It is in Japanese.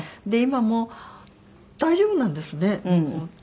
で今も大丈夫なんですね。